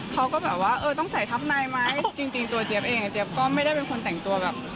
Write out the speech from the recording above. เขาก็แบบว่าเออต้องใส่ทับในไหมจริงตัวเจี๊ยบเองเจี๊ยบก็ไม่ได้เป็นคนแต่งตัวแบบ